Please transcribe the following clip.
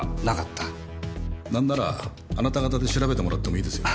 なんならあなた方で調べてもらってもいいですよ。